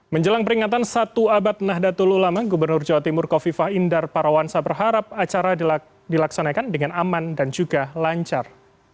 menjelang peringatan satu abad nahdlatul ulama gubernur jawa timur kofifa indar parawansa berharap acara dilaksanakan dengan aman dan juga lancar